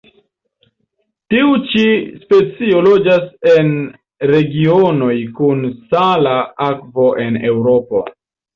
Tiu ĉi specio loĝas en regionoj kun sala akvo en Eŭropo.